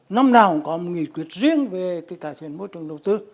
năm nào cũng có một nghị quyết riêng về cái cải thiện môi trường đầu tư